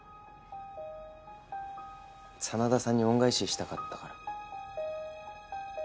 真田さんに恩返ししたかったから。